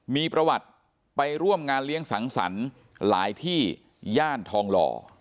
มีประวัติไปร่วมงานเลี้ยงสังสรรค์หลายที่ย่านทองหล่อ